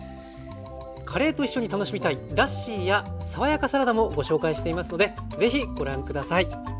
カレーと一緒に楽しみたいラッシーや爽やかサラダもご紹介していますのでぜひご覧下さい。